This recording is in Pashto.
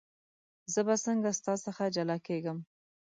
زه به څنګه ستا څخه جلا کېږم.